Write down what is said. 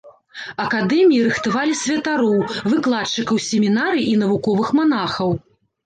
Акадэміі рыхтавалі святароў, выкладчыкаў семінарый і навуковых манахаў.